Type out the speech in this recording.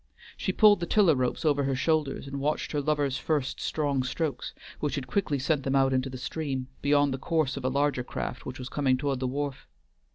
She pulled the tiller ropes over her shoulders, and watched her lover's first strong strokes, which had quickly sent them out into the stream, beyond the course of a larger craft which was coming toward the wharf.